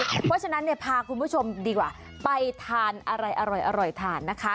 เพราะฉะนั้นเนี่ยพาคุณผู้ชมดีกว่าไปทานอะไรอร่อยทานนะคะ